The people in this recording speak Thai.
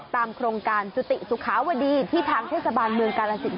โครงการจุติสุขาวดีที่ทางเทศบาลเมืองกาลสิน